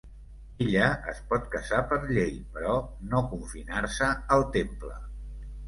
Ella es pot casar per llei, però no confinar-se al temple.